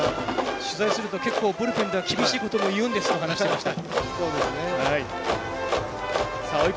取材ではブルペンでは厳しいことも言うんですと話していました。